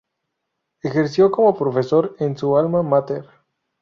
Ejerció como profesor en su "alma mater".